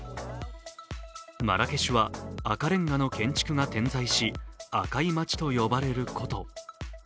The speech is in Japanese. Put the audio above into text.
マラケシュは赤レンガの建築が点在し、赤い町と呼ばれる古都。